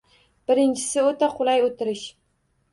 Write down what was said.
Birinchisi, o‘ta qulay o‘tirish.